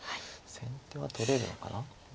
先手は取れるのかな。